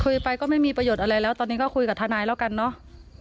ไปก็ไม่มีประโยชน์อะไรแล้วตอนนี้ก็คุยกับทนายแล้วกันเนอะ